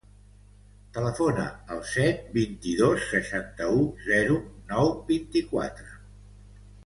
Telefona al set, vint-i-dos, seixanta-u, zero, nou, vint-i-quatre.